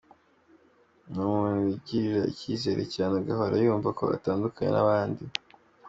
Ni umuntu wigirira icyizere cyane agahora yumva ko atandukanye n’abandi.